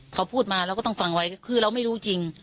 เขาพูดมาเราก็ต้องฟังไว้ก็คือเราไม่รู้จริง